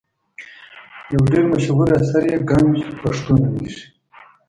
یو ډېر مشهور اثر یې ګنج پښتو نومیږي.